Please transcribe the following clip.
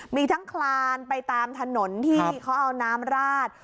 มีทั้งคลานไปตามถนนที่เขาเอาน้ำราด